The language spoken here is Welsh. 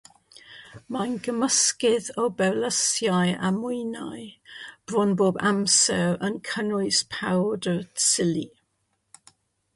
Mae'n gymysgedd o berlysiau a mwynau, bron bob amser yn cynnwys powdr tsili.